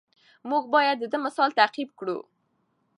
موږ باید د ده مثال تعقیب کړو.